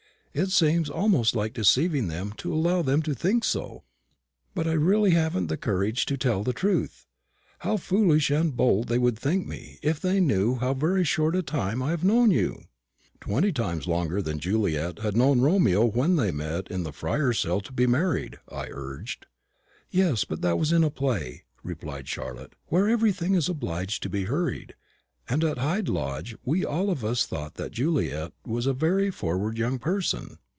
It seems almost like deceiving them to allow them to think so, but I really haven't the courage to tell the truth. How foolish and bold they would think me if they knew how very short a time I have known you!" "Twenty times longer than Juliet had known Romeo when they met in the Friar's cell to be married," I urged. "Yes, but that was in a play," replied Charlotte, "where everything is obliged to be hurried; and at Hyde Lodge we all of us thought that Juliet was a very forward young person."